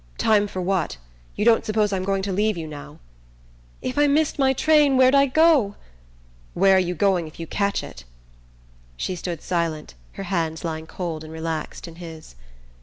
"Time for what? You don't suppose I'm going to leave you now?" "If I missed my train where'd I go?" "Where are you going if you catch it?" She stood silent, her hands lying cold and relaxed in his.